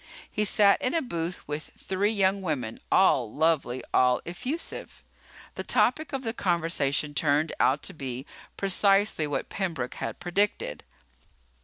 He sat in a booth with three young women, all lovely, all effusive. The topic of the conversation turned out to be precisely what Pembroke had predicted.